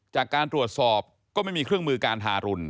จากการตรวจสอบก็ไม่มีเครื่องมือการทารุณ